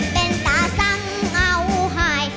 เป็นตาสั่งเอาให้